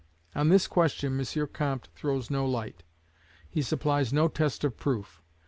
On this question M. Comte throws no light. He supplies no test of proof.